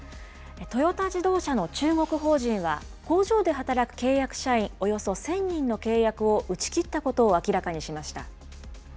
トヨタ自動車の中国法人は、工場で働く契約社員およそ１０００人の契約を打ち切ったことを明らかにしました。